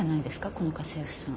この家政婦さん。